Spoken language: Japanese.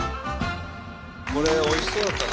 これおいしそうだったね！